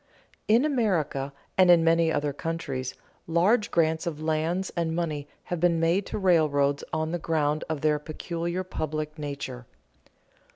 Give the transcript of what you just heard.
_In America and in many other countries, large grants of lands and money have been made to railroads on the ground of their peculiar public nature.